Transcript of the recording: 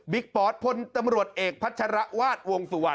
บิ๊กปอสทผนตำรวจเอกพัชรวาสวงสวร